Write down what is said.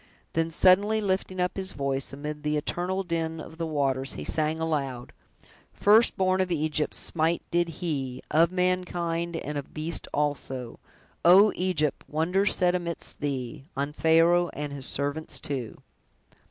Then, suddenly lifting up his voice, amid the eternal din of the waters, he sang aloud: "First born of Egypt, smite did he, Of mankind, and of beast also: O, Egypt! wonders sent 'midst thee, On Pharaoh and his servants too!"